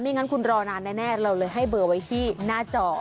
งั้นคุณรอนานแน่เราเลยให้เบอร์ไว้ที่หน้าจอ